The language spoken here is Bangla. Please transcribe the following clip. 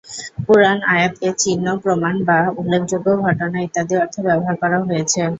কুরআন "আয়াত"কে "চিহ্ন", "প্রমাণ," বা "উল্লেখযোগ্য ঘটনা" ইত্যাদি অর্থে ব্যবহার করাও হয়েছে।